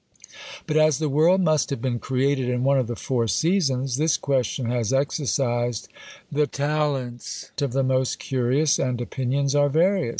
But as the world must have been created in one of the four seasons, this question has exercised the talents of the most curious, and opinions are various.